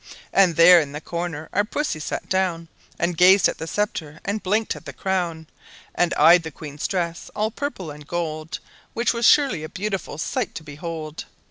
And there in the corner our Pussy sat down, And gazed at the scepter and blinked at the crown, And eyed the Queen's dress, all purple and gold; Which was surely a beautiful sight to behold.